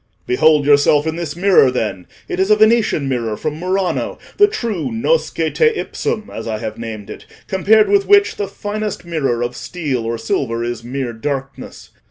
"Behold yourself in this mirror, then; it is a Venetian mirror from Murano, the true nosce teipsum, as I have named it, compared with which the finest mirror of steel or silver is mere darkness.